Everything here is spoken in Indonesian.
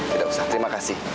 tidak usah terima kasih